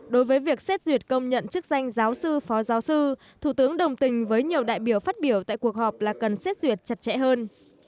đối với việc xét duyệt công nhận chức danh giáo sư phó giáo sư thủ tướng đồng tình với nhiều đại biểu phát biểu tại cuộc họp là cần xét duyệt chặt chẽ hơn